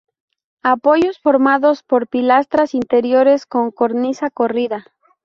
Apoyos formados por pilastras interiores con cornisa corrida.